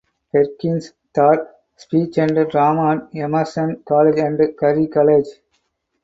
Perkins taught speech and drama at Emerson College and Curry College.